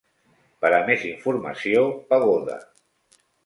Per a més informació: pagoda.